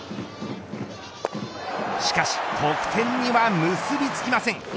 しかし得点には結び付きません。